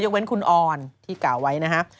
เว้นคุณออนที่กล่าวไว้นะฮะ